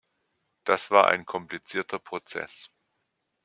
Das war ein komplizierter Prozess.